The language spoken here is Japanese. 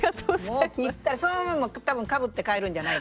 ぴったりそのまま多分かぶって帰るんじゃないですか？